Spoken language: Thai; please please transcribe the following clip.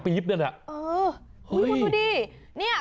พี่พินโย